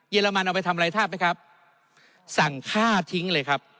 อรมันเอาไปทำอะไรทาบไหมครับสั่งฆ่าทิ้งเลยครับ